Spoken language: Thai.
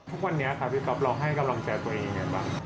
ทุกวันนี้ค่ะพี่ก๊อฟเราให้กำลังใจตัวเองกันบ้าง